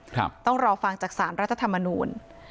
ต้องรอฟังจากสารรัฐธรรมนูล